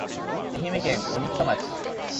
愛媛県鬼北町